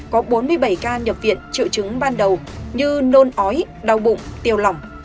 có bốn mươi bảy ca nhập viện triệu chứng ban đầu như nôn ói đau bụng tiêu lỏng